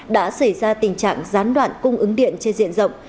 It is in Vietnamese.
đã xảy ra tình trạng gián đoạn cung ứng điện trên diện rộng